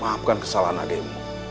maafkan kesalahan adikmu